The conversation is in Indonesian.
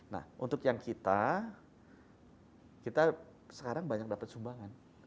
nah untuk yang kita kita sekarang banyak dapat sumbangan